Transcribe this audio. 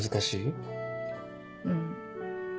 うん。